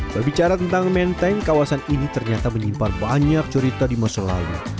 berbicara tentang menteng kawasan ini ternyata menyimpan banyak cerita di masa lalu